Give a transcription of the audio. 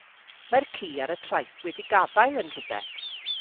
Mae'r ci ar y traeth wedi gafael yn rhywbeth.